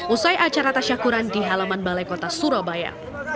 usai acara tas syukuran di halaman balai kota surabaya